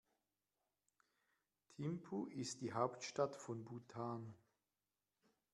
Thimphu ist die Hauptstadt von Bhutan.